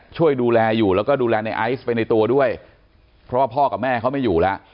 ช่วยดูแลอยู่แล้วก็ดูแลในไอซ์ไปในตัวด้วยเพราะว่าพ่อกับแม่เขาไม่อยู่แล้ว